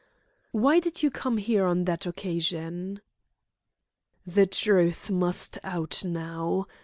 "Why did you come here on that occasion?" "The truth must out now.